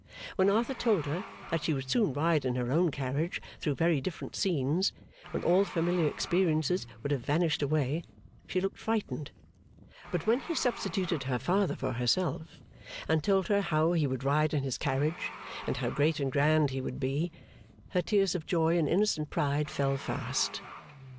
When Arthur told her that she would soon ride in her own carriage through very different scenes, when all the familiar experiences would have vanished away, she looked frightened. But when he substituted her father for herself, and told her how he would ride in his carriage, and how great and grand he would be, her tears of joy and innocent pride fell fast.